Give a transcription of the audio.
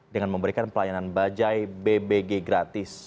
dengan memberikan pelayanan bajai bbg gratis